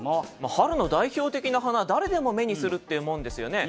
春の代表的な花誰でも目にするっていうもんですよね。